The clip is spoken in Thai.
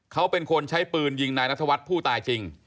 เขาเป็นคนใช้ปืนยิงนายนัทวัฒน์ผู้ตายจริง